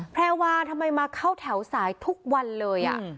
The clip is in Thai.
แพรวาทำไมมาเข้าแถวสายทุกวันเลย